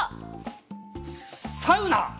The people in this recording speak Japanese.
サウナ？